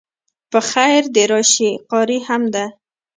په خیر د راشی قاری هم ده